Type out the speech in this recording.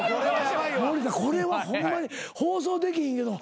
森田これはホンマに放送できひんけど。